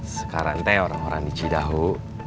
sekarang orang orang di cidaho